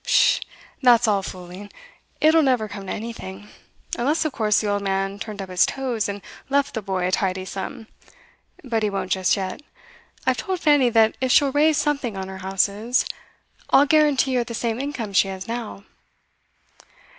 'Psh! That's all fooling. It'll never come to anything. Unless, of course, the old man turned up his toes, and left the boy a tidy sum. But he won't just yet. I've told Fanny that if she'll raise something on her houses, I'll guarantee her the same income she has now.